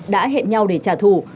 đã hẹn nhau để trả thù